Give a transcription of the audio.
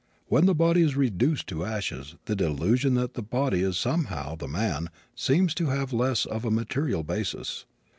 When the body is reduced to ashes the delusion that the body is somehow the man seems to have less of a material basis.